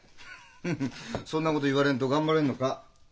フッフフそんなこと言われんと頑張れんのか？